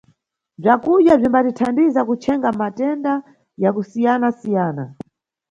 Bzakudya bzimbatithandiza kuchenkha matenda ya kusiyanasiyana.